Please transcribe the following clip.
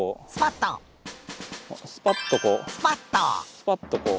スパッとこう。